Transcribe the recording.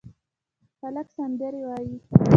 هلک سندرې وايي